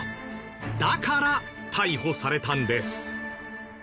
だから逮捕されたんです。